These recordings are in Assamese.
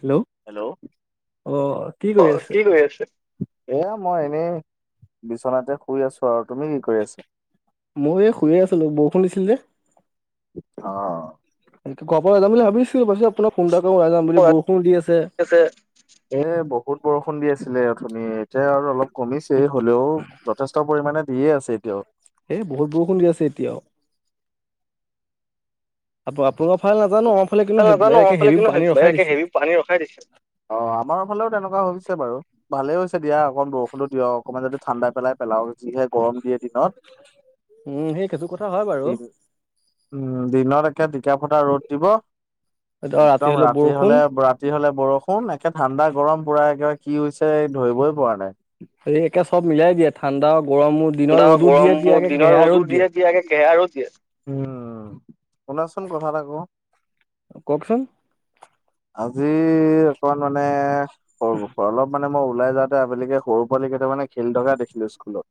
হেল্ল' হেল্ল' অ' কি কৰি আছে? এইয়া মই এনেই বিচনাতে শুই আছো আৰু। তুমি কি কৰি আছা? মই এই শুইয়ে আছিলো, বৰষুণ দিছিলে যে। এই ঘৰপৰা ওলাই যাম বুলি ভাবিছো, ভাবিছো আপোনাক ফোন এটা কৰো ওলাই যাম বুলি, বৰষুণ দি আছে। পিছে এ বহুত বৰষুণ দি আছিলে অথনি, এতিয়া আৰু অলপ কমিছে, হ'লেও যথেষ্ট পৰিমাণে দিয়ে আছে এতিয়াওঁ। এই বহুত বৰষুণ দি আছে এতিয়াওঁ। আ আপোনা ফালে নাজানো আৰু। এই নাজানো। আমাৰফালে কিন্তু হে বেয়াকে হেৰি পাহাৰে ৰখাই দিছে। অ' আমাৰ ফালেও তেনেকুৱা হৈছে বাৰু। ভালে হৈছে দিয়া, অকণ বৰষুণো দিয়ক। অকণমান যদি ঠাণ্ডা পেলাই, পেলাওক যিহে গৰম দিয়ে। উম' সেই সেইটো কথা হয় বাৰু। উম' দিনত এতিয়া টিকা ফটা ৰ'দ দিব। একদম ৰাতি হ'লে বিৰাট ৰাতি হ'লে বৰষুণ, একে ঠাণ্ডা, গৰম পুৰা একেবাৰে কি হৈছে, ধৰিবই পৰা নাই। এই একে চব মিলাই দিয়ে, ঠাণ্ডা, গৰমো। দিনত ৰ'দো দিয়ে, দিয়ে একে গেহেৰা ৰ'দ দিয়ে। কি আগে গেহেৰা ৰ'দ দিয়ে। উম' শুনাচোন কথা এটা কওঁ? কওঁকচোন? আজি অকণ মানে স অলপ মানে মই ওলাই যাওঁতে আবেলিকে সৰু পোৱালি কেইটামানে খেলি থকা দেখিলো স্কুলত।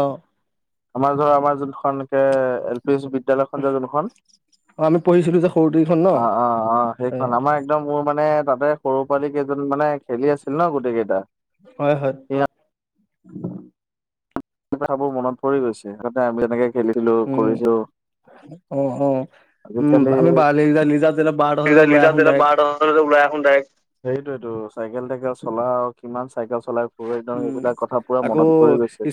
অ' আমাৰ ধৰা, আমাৰ যোনখন একে এল পিছ বিদ্যালয়খন যে যোনখন, অ-অ-অ, সেই একদম মোৰ মানে, তাতে সৰু পোৱালি কেইজন মানে খেলি আছিল ন গোটেই কেইটা হয়-হয়। কিবা এইবোৰ মনত পৰি গৈছে, আগতে আমি এনেকে খেলিছিলো, কৰিছোঁ। অ-অ, উম' আমি বালি জালিজাতে বাৰতা বজাতে ওলাই আহো ডাইৰেক্ট। তই যে ওলাই আহো ডাইৰেক্ট, সেইটোৱেতো চাইকেল-টাইকেল চলা, কিমান চাইকেল চলাই পৰহি দিনাখন, এইবিলাক কথা পুৰা মনত পৰি গৈছে।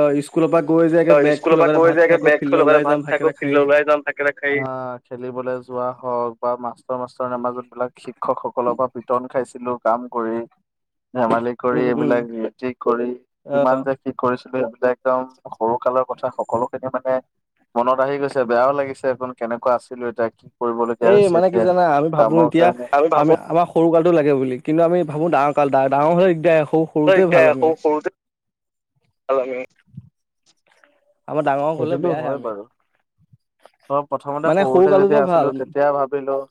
অ, স্কুল পা গৈ যে অ, স্কুল পা গৈ যে একে বেগ থৈ, লগে-লগে ভাত খাই গৈ, ফিল্ডত উলাই যাম একেলগে। এইয়া খেলিবলৈ যোৱা হওক বা মাষ্টৰ মাষ্টৰনী মাজত বিলাক শিক্ষকসকলৰ বা পিতন খাইছিলো, কাম কৰি। ধেমালি কৰি, এইবিলাক যি-টি কৰি, কিমান যে কি কৰিছিলোঁ। এইবিলাক একদম সৰু কালৰ কথা সকলো তাকে মানে মনত আহি গৈছে, বেয়াও লাগিছে, সেইবোৰ কেনেকুৱা আছিলোঁ। তাকে এই মানে কি জানা, আমি ভাবো এতিয়া আমি আমাৰ সৰুকালটো লাগে বুলি, কিন্তু আমি ভাবোঁ ডাঙৰ কাল, ডা ডাঙৰ হ'লে দিগদাৰ, সৰু ডাঙৰ হ'লে দিগদাৰ, স-সৰুতে লাগে আমাৰ ডাঙৰ হ'লে, বেয়াহে আমি। ত প্ৰথমতে সৰুতে যেতিয়া আছিলো, তেতিয়া ভাবিলো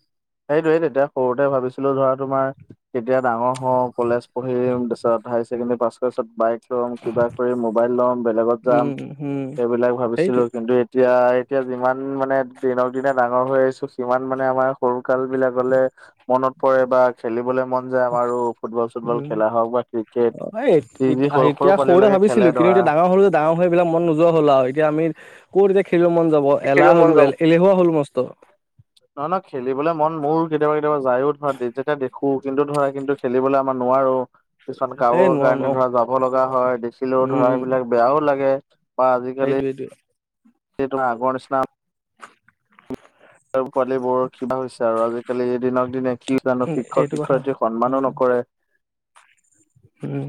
সেইটো-সেইটোৱে, তেতিয়া সৰুতে ভাবিছিলো, ধৰা তোমাৰ কেতিয়া ডাঙৰ হ'ম, কলেজ পঢ়িম, তাৰপিছত হায়াৰ ছেকেণ্ডাৰী পাছ কৰাৰ পিছত বাইক বাইক লম, কিবা কৰি মোবাইল ল'ম, বেলেগত যাম। সেইবিলাক ভাবিছিলো কিন্তু এতিয়া এতিয়া-এতিয়া যিমান মানে দিনক-দিনে ডাঙৰ হৈ আহিছো, সিমান মানে আমাৰ সৰু কাল বিলাকলে মনত পৰে বা খেলিবলে মন যায়া বাৰু, ফুটবল-চুটবল খেলা হওঁক বা ক্ৰিকেট যি-যি সৰু তেতিয়া সৰুতে ভাবিছিলো, কিন্তু এতিয়া ডাঙৰ হলোঁ যে ডাঙৰ হ'লো সেইবিলাক মন নোযোৱা হ'ল আৰু এতিয়া আমি ক'ত এতিয়া খেলিবলৈ মন যাব এলাহ হ'লো এ। এলেহুৱা হ'লো মস্ত। নহয় নহয় খেলিবলে মন মোৰ কেতিয়াবা কেতিয়াবা যায়ও ধৰা যেতিয়া তেতিয়া দেখো কিন্তু ধৰা কিন্তু খেলিবলে আমাৰ নোৱাৰো। কিছুমান কামৰ কাৰণে ধৰা যাব লগা হয়, দেখিলেও ধৰা সেইবিলাক বেয়াও লাগে। বা আজিকালি এইটো আগৰ নিছনা। এ পোৱালীবোৰ কিবা হৈছে আৰু আজিকালি দিনক দিনে কি জানো শিক্ষক শিক্ষয়িত্ৰীক সন্মানো নকৰে। উম,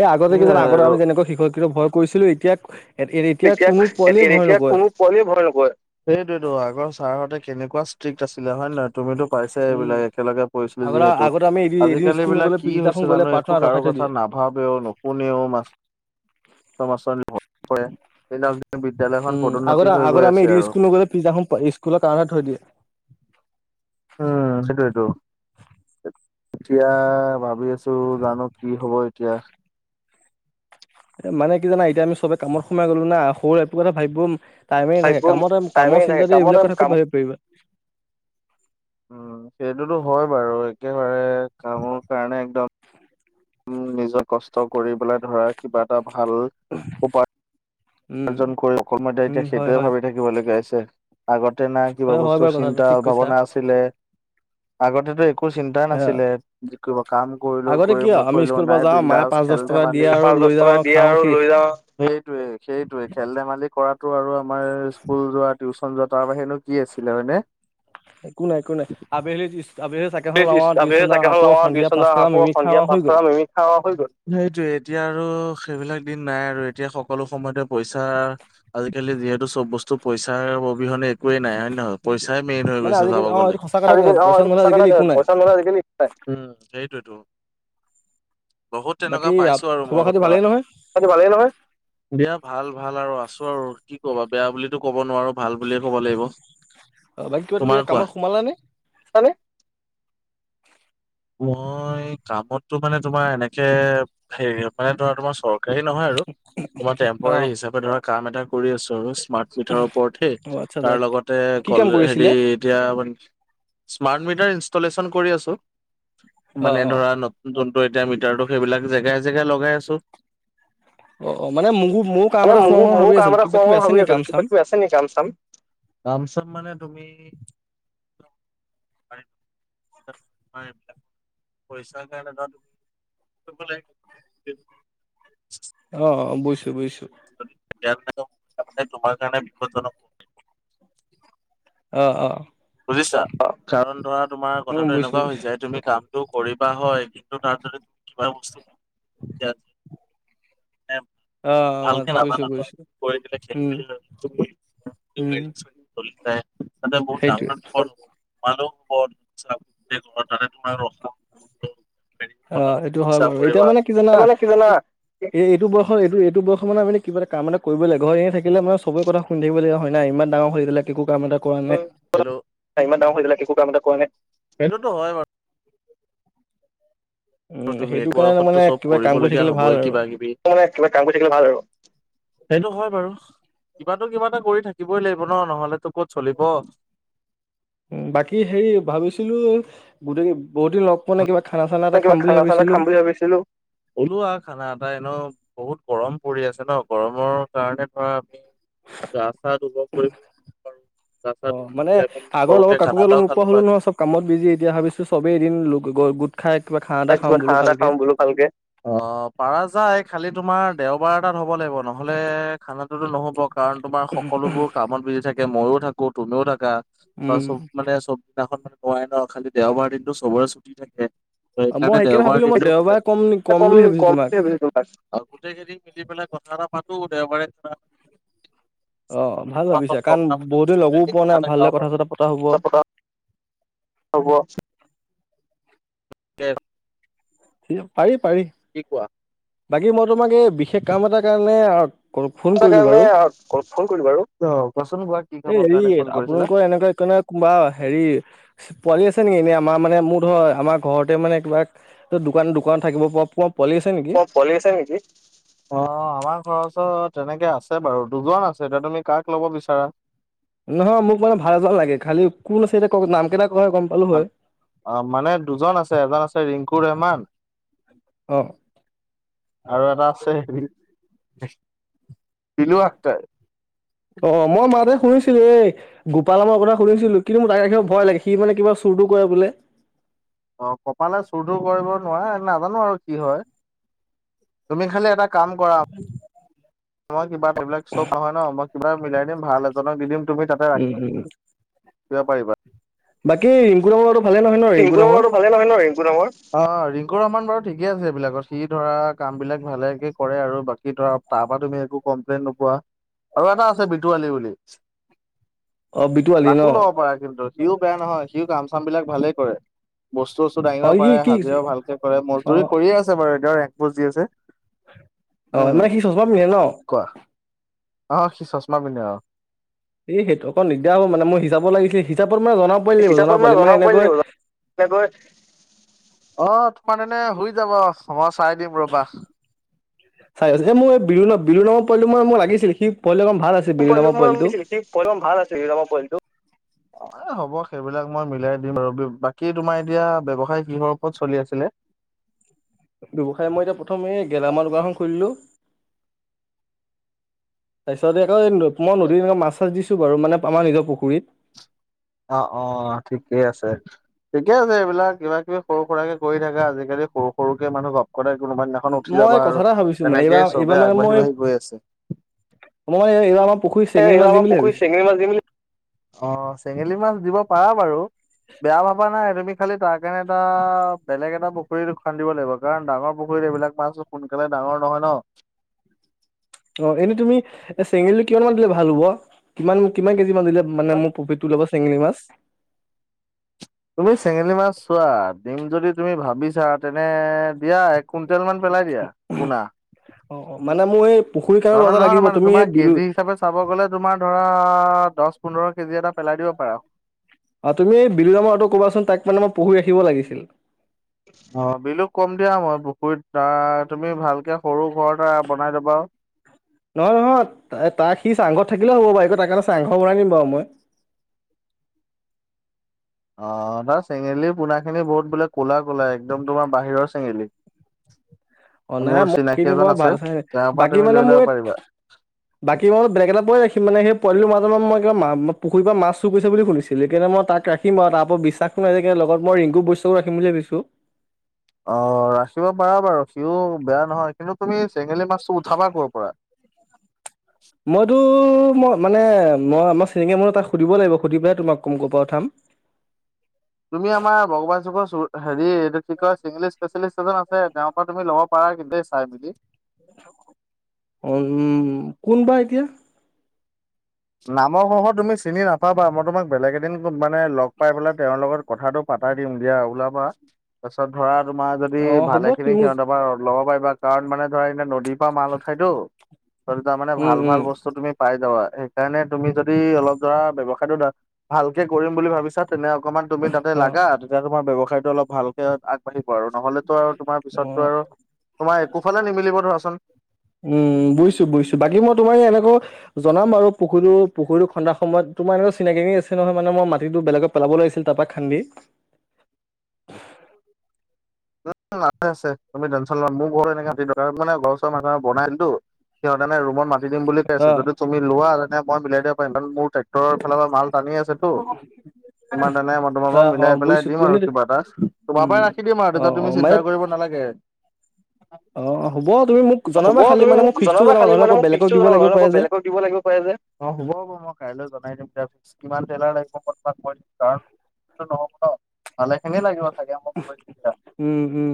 এই আগতে কি জানো আগতে আমি যেনেকুৱা শিক্ষ শিক্ষক ভয় কৰিছিলো এতিয়া [unintelligible] এতিয়া কোনো পোৱালিয়ে ভয় নকৰে। কৰি ভয় নকৰে, সেইটোৱেটো আগৰ ছাৰহতে কেনেকুৱা ষ্ট্ৰিক্ট আছিলে হয়নে নহয় তুমিটো পাইছে এইবিলাক একেলগে পৰিছিলো যিহেতু, আজিকালি বিলাক কি হৈছে জানো একো কাৰো কথা না ভাৱেও নুশুনেও, [unintelligible] উম, আগতে আগতে আমি এদিন স্কুল নগলে পিছদিনাখন স্কুলত কানত থৈ দিয়ে। উম, সেইটোৱেটো, এতিয়া ভাবি আছ ছোঁ, জানো কি হ'ব এতিয়া? এ মানে কি জানা এতিয়া আমি চবে কামত সোমাই গ'লো না, [unintelligible] একো বাৰে ভাবিব। টাইমে নাই কামত কামৰ চিন্তা এইবিলাক কথা ক'ত ভাবিব পাৰিবা। সেইতোটো হয় বাৰু একেবাৰে কামৰ কাৰণে একদম [unintelligible] উম, নিজৰ কষ্ট কৰিবলৈ ধৰা কিবা এটা ভাল [unintelligible] উপাৰ্জন কৰি অকল মই এতিয়া সেইটোৱে ভাবি থাকিবলগীয়া হৈছে। আগতে না কিবা বস্তুৰ চিন্তাৰ ভাৱনা আছিলে, আগতেতো এ কো, চিন্তা নাছিলে যি কিবা কাম কৰিলে কৰিম নকৰিলেও নাই বিন্দাচ খেল ধেমালি, এ পাঁচ দশ টকা দিয়া আৰু লৈ যাও, সেইটোৱে। সেইটোৱে খেল ধেমালি কৰাটো আৰু আমাৰ, স্কুল যোৱাটো টিউচন যোৱা তাৰ বাহিৰেনো কি আছিলে হয় নে? একো নাই, একো নাই, আবেলি [unintelligible] আবেলি চাক [unintelligible] আবেলি চাইকেলখন লওঁ আৰু টিউচন যাওঁ আকৌ সন্ধিয়া পাঁচ টকাত মিমি খাওঁ হৈ গ'ল। সেইটোৱে এতিয়া আৰু, সেইবিলাক দিন নাই আৰু এতিয়া সকলো সময়তে পইচা আজিকালি যিহেতু চব বস্তু পইচাৰ অবিহনে একোৱেই নাই হয়নে নহয়? পইচাই মেইন হৈ গৈছে চাব গ'লে, [unintelligible] [unintelligible] উম, সেইটোৱেটো। বহুত তেনেকোৱা পাইছো আৰু, মই ধৰা ভালে নহয়, দিয়া ভাল ভাল আৰু আছো আৰু কি ক'ব বেয়া বুলিটো কব নোৱাৰোঁ। ভাল বুলিয়ে ক'ব লাগিব, তোমাৰ কোৱা? মই কামতটো মানে তোমাৰ এনেকে, হেৰি মানে ধৰা তোমাৰ চৰ হেৰি নহয় আৰু, তোমাৰ টেম্পৰাৰী হিচাপে ধৰা কাম এটা কৰি আছোঁ। [unintelligible] স্মাৰ্ট মিটাৰৰ ওপৰত হে, তাৰ লগতে কল হেৰি এতিয়া, স্মাৰ্ট মিটাৰ ইনষ্টলেশ্যন কৰি আছোঁ, মানে ধৰা নত যোনটো এতিয়া মিটাৰটো সেইবিলাক জেগাই জেগাই লগাই আছোঁ। অ', অ, মানে মোকো মইয়ো কাম এটা সোমাম বুলি ভাবি আছিলো, কিবা কিবি আছে নেকি কাম চাম? নেকি কাম চাম, কাম চাম মানে তুমি [unintelligible] [unintelligible] অ', অ, বুজিছোঁ বুজিছোঁ। [unintelligible] তোমাৰ কাৰণে বিপদজনক। অ', অ, বুজিছা, অ, কাৰণ ধৰা তোমাৰ কথাটো এনেকুৱা হৈ যায় তুমি কাম টো কৰিবা হয়, কিন্তু তাৰ দৰে কিবা বস্তু [unintelligible] ভালকে নাজানা ধ কৰি দিলে খেলি মেলি তুমি চলি যায়, তাতে বহুত [unintelligible] অ এইটো হয় বাৰু এতিয়া মানে কি জানা এইটো বসয়ত এইটো এইটো বয়সত মানে মানে কিবা এটা কাম এটা কৰিব লাগিব, ঘৰ এনে থাকিলে মানে চবেই কথা শুনি থাকিবলীয়া হয় না ইমান ডাঙৰ হয় এতিয়ালৈকে একো কাম এটা ইমান ডাঙৰ হৈ একো কাম এটা কৰা নাই, সেইটোতো হয় বাৰু তুমি বয়সতো চব কৰিবলগীয়া হবই কিবা কিবি, ক কাম কৰি থাকিলে ভাল আৰু সেইটো হয় বাৰু কিবাটো কিবা এটা কৰি থাকিবই লাগিব ন, নহলেতো ক'ত চলিব বাকী হেৰি ভাবিছিলো গোটেই বহু দিন লগ নাই, কিবা খানা চানা এটা খাম বুলি ভাবিছিলো বিছিলো ওলোৱা খানা এটা এনেও বহুত গৰম পৰি আছে ন গৰমৰ কাৰণে ধৰা গা চা ধুব কৰিবও পাৰোঁ অ মানে আগৰ লগৰ কাকোৱে লগ নোপোৱা হ'লো নহয় চব কামত বিজি এতিয়া ভাবিছো চবেই এদিন গোট খাই কিবা খানা এটা খাওঁ বোলো ভালকে ভালকে, অ, পাৰা যায় খালি তোমাৰ দেওবাৰ এটাত হ'ব লাগিব ন নহলে খানাটো তো নহ'ব কাৰণ তোমাৰ সকলোবোৰ কামত বিজি থাকে ময়ো থাকো, তুমিও থাকা বা চব মানে চবদিনাখন মানে নোৱাৰে ন খালি দেওবাৰ দিনটো চবৰে ছুটি থাকে সেই কাৰণে দেও বাৰ দিনটো, মই কম দে [unintelligible] আৰু গোটেই খিনি মিলি পেলাই কথা এটা পাতো দেওবাৰে ব্তাই খানা এটা খাব পাৰো [unintelligible] হ'ব কে পাৰি পাৰি। কি কোৱা? বাকী মই তোমাক এই বিশেষ কাম এটা কাৰণে কাৰণে ফোন কৰিলো বাৰু, অ কোৱাচোন কোৱা? এই হেৰি আপোনালোকৰ এনেকুৱা এককাৰণে কোনোবা হেৰি পোৱালি আছে নেকি এনেই আমাৰ মানে মোৰ ধৰ আমাৰ ঘৰতে মানে কিবা ত দোকান -দোকানত থাকিব পৰা পোৱালি আছে নেকি? পোৱালি আছে নেকি? অ আমাৰ ঘৰৰ ওচৰত তেনেকে আছে বাৰু দুজন আছে, এতিয়া তুমি কাক ল'ব বিচাৰা? নহয় মোক মানে ভাল এটা লাগে, খালি কোন আছে এতিয়া কক নাম কেইটা কলে গম পালো হয়। অ, মানে দুজন আছে এজন আছে ৰিংকু ৰেহমান। অহ। আৰু এটা আছে হেৰি অ, মই মা দে শুনিছিলো এই গোপাল নামৰ কথা শুনিছিলো কিন্তু মোৰ তাক ৰাখিব ভয় লাগে, সি মানে কিবা চুৰ টোৰ কৰে বোলে। অ কপালে চুৰ-টোৰ কৰিব নোৱাৰে নাজানো আৰু কি হয় তুমি খালি এটা কাম কৰা মই কিবা এইবিলাক চব নহয় ন মই কিবা এটা মিলাই দিম ভাল এজনক দি দিম তুমি তাতে ৰাখিব পাৰিবা বাকি ৰিংকু নম্বৰটো ৰিংকু নম্বৰটো পালে নহয় ন ৰিংকু নম্বৰ অ ৰিংকু ৰহমান বাৰু ঠিকে আছে এইবিলাকত সি ধৰা কাম বিলাক ভালেকে কৰে আৰু বাকী ধৰা তাৰ পৰা তুমি একো কমপ্লেইন নোপোৱা। আৰু এটা আছে বিটু আলী বুলি। তাকো ল'ব পাৰা কিন্তু সিও বেয়া নহয়, সিও কাম - চাম বিলাক ভালেই কৰে। বস্তু সস্তু ডাঙিব পাৰে হাজিৰাও ভালকে কৰে মজদুৰি কৰিয়ে আছে বাৰু এ বুজ দিয় আছে। অ মানে সি চছমা পিন্ধে ন? কোৱা। অ সি চশমা পিন্ধে অহ। এই সেইটো অকণ দিগদাৰ হব মানে মোৰ হিচাপত লাগিছিল। হিচাপত মানে জনা পোৱালি লাগিব, জনা পোৱালি মানে এনেকৈ অ তোমাৰ তেনে হৈ যাব মই চাই দিম ৰবা। চাই আছে এ মোৰ এই বিৰু নামৰ বিৰো নামৰ পোৱালিটো মানে লাগিছিল। সি পোৱলিটো অকণ ভাল আছে। মই পোৱালিটো মই ভাল আছিলে বীলু নামৰ পোৱালিটো। অ এ হ'ব, সেইবিলাক মই মিলাই দিম আৰু। বাকী তোমাৰ এতিয়া ব্যৱসায় কিহৰ ওপৰত চলি আছিলে? ব্যৱসায় মই এতিয়া প্ৰথমে গেলামাল দোকানখন খুলিলো। তাৰপিছত আকৌ মই নদীত এনেকে মাছ চাছ দিছো বাৰু। মানে আমাৰ নিজৰ পুখুৰীত। অ অ ঠিকেই আছে, ঠিকে আছে। এইবিলাক কিবা কিবি সৰু সুৰাকে কৰি থাকা আজিকালি সৰু সৰুকে মানুহ গ তে কোনোবানাখন উঠি যাবা আৰু। তেনেকেই চবে আগবাঢ়ি বাঢ়ি গৈ আছে। মই এই‌বাৰ এইবাৰ আমাৰ পুখুৰীত চেঙেলী মাছ দিম বুলি, অ চেঙেলী মাছ দিব পাৰা বাৰু। বেয়া ভাবা নাই তুমি খালি তাৰ কাৰণে এটা বেলেগ এটা পুুখুৰী খান্দিব লাগিব। কাৰণ ডাঙৰ পুখুৰীত এইবিলাক মাছবোৰ সোনকালে ডাঙৰ নহয় ন। অ এনেই তুমি এ চেঙেলী কিমান মান দিলে ভাল হব? কিমান কিমান কেজি মান দিলে মোৰ প্ৰফিটটো ওলাব চেঙেলী মাছ? তুমি চেঙেলী মাছ চোৱা, ডিম যদি তুমি ভাবিছা তেনে এ দিয়া এক কুইণ্টেল মান পেলাই দিয়া পোনা। অ অ মানে মোৰ এই পুখুৰী কাৰনে ৰজা লাগিব তুমি এই বিলু চাব গ'লে তুমাৰ ধৰা দচ পোন্ধৰ কেজি এটা পেলাই দিব পাৰা। আৰু তুমি এই বিলু নামৰ লৰাটোক ক'বাচুন। তাইক মানে মই পুখুৰী ৰাখিব লাগিছিল। অ বিলুক কম দিয়া মই। পুখুৰীত আহ তুমি ভালকে সৰু ঘৰ এটা বনাই লবা আও। নহয়, নহয়, এ তাৰ সি চাংঘৰত থাকিলে হব বাৰু এই তাৰ কাৰণে চাংঘৰ বনাই দিম বাৰু মই। অ তাৰ চেঙেলী পোনা খিনি বহুত বোলে কলা কলা একদম তোমাৰ বাহিৰৰ চেঙেলী। অ নাই মোক কিনিব ভাল চাই বাকী মানে মোৰ বাকী মই বেলেগ এটা পোৱালি ৰাখিম মানেই। পোৱালিটো মাজত মই পুখুৰীৰ পৰা মাছ চুৰ কৰিছে বুলি শুনিছিলো সেইকাণে মই তাক ৰাখি ৰাখিম বাও তাৰপৰা বিশ্বাস নাই লগতই ৰিংকু বৈশ্যক ৰাখিম বুলি ভাবিছোঁ। অ ৰাখিব পাৰা বাৰু সিও বেয়া নহয়। কিন্তু তুমি চেঙেলী মাছটো উঠাবা ক'ৰ পৰা? মইতো মই মানে মই আমাৰ চিনাকি মানুহ এটাক সুধিব লাগিব। সুধি পেলাই তোমাক কম ক'ৰ পৰা উঠাম। তুমি আমাৰ ভগৱান চুকৰ হেৰি কি কয় চেঙেলী স্পেচিয়েলিষ্ট এজন আছে তেওঁৰ পৰা তুমি লব পাৰা কিন্তু দেই চাই মেলি। [unintelligible] অ উম কোনবা এতিয়া? নামৰ সহ তুমি চিনি নাপাবা। মই তোমাক বেলেগ এদিন মানে লগ পাই পেলাই তেওঁৰ লগত কথাটো পাতাই দিম দিয়া ওলাবা। পাছত ধৰা তোমাৰ যদি ভালে খিনি সিহঁতৰ পা ল'ব পাৰিবা। কাৰণ মানে ধৰা এ নদীৰ পৰা মাল উঠাইতো, ত তাৰ মানে ভাল ভাল বস্তু তুমি পাই যাবা। সেইকাৰণে তুমি যদি অলপ ধৰা ব্যৱসায়টো ভালকে কৰিম বুলি ভাবিছা তেনে অকণমান তুমি তাতে লাগা তেতিয়া তোমাৰ ব্যৱসায়টো অলপ ভালকে আগ বাঢ়িব আৰু। নহলেতো আৰু তোমাৰ পিছতো আৰু তোমাৰ একোফালে নিমিলিব ধৰাচোন। উম বুইছো বুইছো। বাকী মই তোমাৰ এনেকৈ জনাম বাৰু পুখুৰীটো পুখুৰীটো খন্দাৰ সময়ত। তোমাৰ এনেকৈ চিনাকিখিনি আছে নহয়, মানে মই মাটিটো বেলেগত পেলাব লাগিছিল তাপৰা খান্দি। মানুহ আছে, তুমি টেনচন নলবা। মোৰ ঘৰত এনেকা কাৰণ মানে ঘৰৰ ওচৰৰ মানুহে‌ বনাইতো। সিহঁতে এনে ৰুমত মাতি দিম বুলি কৈ আছে। যদি তুমি লোৱা তেনে মই মিলাই দিব পাৰিম মোৰ ঠাই তোৰ ফালৰ পৰা মাল টানি আছেতো। তাৰ তেনে মই তোমাৰ পৰা মিলাই পেলাই দিম আৰু কিবা এটা। তোমাৰ পৰাই ৰাখি দিম আৰু তেত তুমি চিন্তা কৰিব নালাগে। হ'ব তুমি মোক জনাবা খালি মানে মোক ফিক্সটো জনাবা নহলে বেলেগৰ থাকিব লাগিব পাৰে যে, অ, হ'ব, হ'ব, মই কাইলৈ জনাই দিম দিয়া। কিমান টেলাৰ [unintelligible] ভালে খিনি লাগিব চাগে [unintelligible] উম, উম,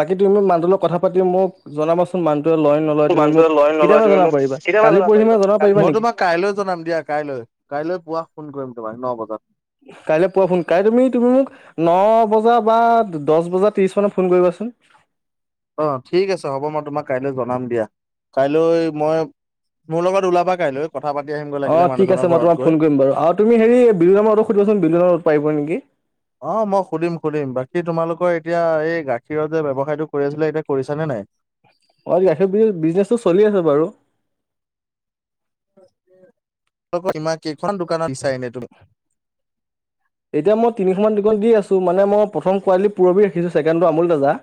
বাকী তুমি মোক মানুহটোৰ লগত কথা পাতিম মোক জনাবাচোন মানুটোৱে লয় নলয় কোৱা তুমি মোক, কেতিয়া‌ মানে জনাব পাৰিবা, কালি পৰহি মানে জনাব পাৰিবা নেকি? কাইলৈ জনাম দিয়া কাইলৈ, কাইলৈ পুৱা ফোন কৰিম তোমাক ন' বজাত। কাইলৈ পোৱা ফোন, কাইলৈ তুমি-তুমি মোক ন' বজাৰ পৰা দশ বজা ত্ৰিশ মানত ফোন কৰিবাচোন। অ' ঠিক আছে হ'ব মই তোমাক কাইলৈ জনাম দিয়া, কাইলৈ মই মোৰ লগত ওলাবা কাইলৈ কথা পাতি আহিম গৈ লাগিলে মানুহজনৰ ঘৰত গৈ। [unintelligible] তুমি হেৰি বিৰুৰামো হতক সুধিবাচোন বিৰুৰাম হত পাৰিব নেকি? অ মই সুধিম সুধিম বাকী তোমালোকৰ এতিয়া এই গা খীৰত যে ব্যৱসায়টো কৰি আছিলা এতিয়া কৰিছা নে নাই? অ', গাখীৰ বি-বিজনেছটো চলি আছে বাৰু। [unintelligible] তোক ইমান কেইখন দোকানত বিচাৰে এনে তুমি। এতিয়া মই তিনিশমান [unintelligible] দি আছো মানে মই প্ৰথম কালি পূৰবী ৰাখিছোঁ ছেকেণ্ডটো আমুল তাজা।